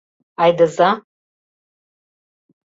Айдыза.